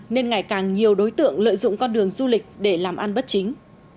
nên ngày càng nhiều đối tượng lợi dụng con đường du lịch để làm ăn bất chính